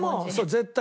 絶対。